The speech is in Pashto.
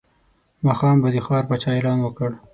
ماښام به د ښار پاچا اعلان وکړ.